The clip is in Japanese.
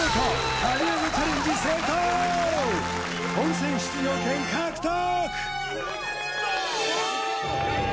見事本戦出場権獲得！